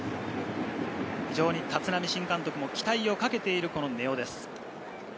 立浪新監督も期待をかけている根尾です。